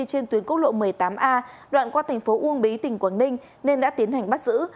trên tuyến cốt lộ một mươi tám a đoạn qua tp uông bí tỉnh quảng ninh nên đã tiến hành bắt giữ